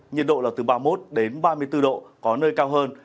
nhiệt độ là từ ba mươi một ba mươi bốn độ có nơi cao hơn